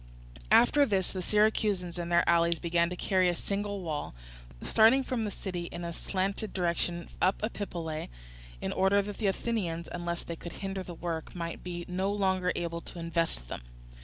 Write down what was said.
After this the Syracusans and their allies began to carry a single wall, starting from the city, in a slanting direction up Epipolae, in order that the Athenians, unless they could hinder the work, might be no longer able to invest them.